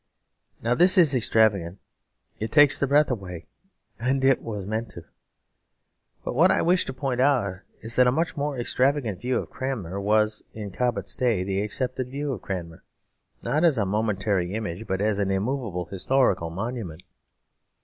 Now this is extravagant. It takes the breath away; and it was meant to. But what I wish to point out is that a much more extravagant view of Cranmer was, in Cobbett's day, the accepted view of Cranmer; not as a momentary image, but as an immovable historical monument.